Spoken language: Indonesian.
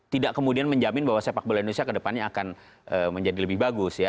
tidak kemudian menjamin bahwa sepak bola indonesia ke depannya akan menjadi lebih bagus ya